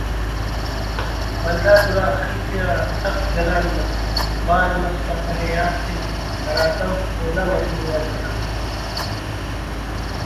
ولدا دُراخی آتا سخت گل آن بال مسکہ کنے یات ءِ ہراتم اونا مجموعہِ کلام